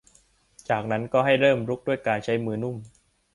จากนั้นก็ให้เริ่มรุกด้วยการใช้มือนุ่ม